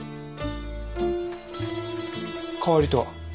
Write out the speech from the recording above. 代わりとは？